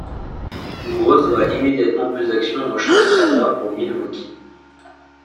Gross voit immédiatement plus d'action au champ extérieur pour Milwaukee.